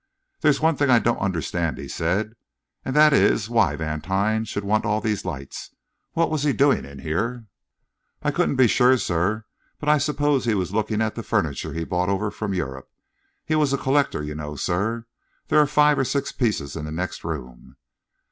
"There's one thing I don't understand," he said, "and that is why Vantine should want all these lights. What was he doing in here?" "I couldn't be sure, sir; but I suppose he was looking at the furniture he brought over from Europe. He was a collector, you know, sir. There are five or six pieces in the next room."